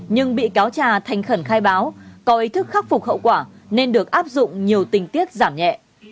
nhưng bị cáo trà thành khẩn khai báo có ý thức khắc phục hậu quả nên được áp dụng nhiều tình tiết giảm nhẹ